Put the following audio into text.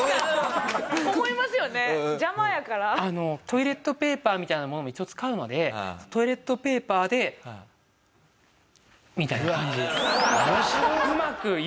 トイレットペーパーみたいなものも一応使うのでトイレットペーパーでみたいな感じでうまく入れるんです。